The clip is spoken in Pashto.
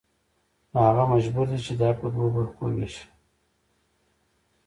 نو هغه مجبور دی چې دا په دوو برخو ووېشي